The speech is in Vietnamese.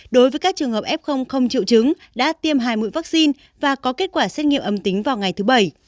đối với các trường hợp f không triệu chứng đã tiêm hai mũi vaccine và có kết quả xét nghiệm âm tính vào ngày thứ bảy